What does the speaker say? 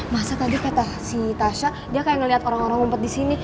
masa tadi kata si tasya dia kayak ngeliat orang orang ngumpet disini